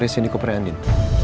beresin di kopernik andin